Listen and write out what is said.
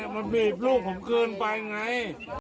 มันบีบลูกผมเกินไปไง